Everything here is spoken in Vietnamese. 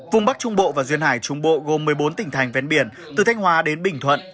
vùng bắc trung bộ và duyên hải trung bộ gồm một mươi bốn tỉnh thành ven biển từ thanh hóa đến bình thuận